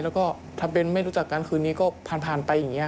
แล้วก็ทำเป็นไม่รู้จักกันคืนนี้ก็ผ่านไปอย่างนี้